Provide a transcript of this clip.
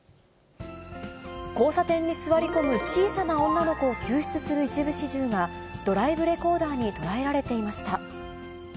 交差点に座り込む小さな女の子を救出する一部始終が、ドライブレコーダーに捉えられていまし